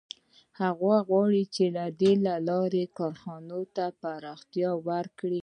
هغه غواړي چې له دې لارې کارخانې ته پراختیا ورکړي